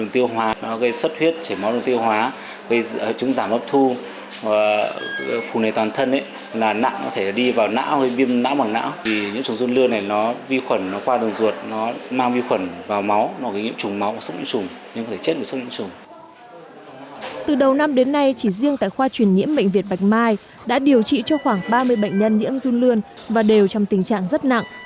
từ đầu năm đến nay chỉ riêng tại khoa truyền nhiễm bệnh việt bạch mai đã điều trị cho khoảng ba mươi bệnh nhân nhiễm run lươn và đều trong tình trạng rất nặng